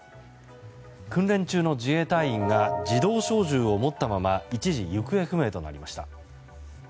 訓練中の自衛隊員が自動小銃を持ったまま一時、行方不明となりました。